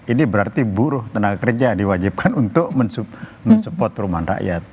ini berarti buruh tenaga kerja diwajibkan untuk mensupport perumahan rakyat